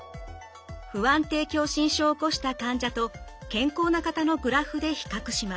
不安定狭心症を起こした患者と健康な方のグラフで比較します。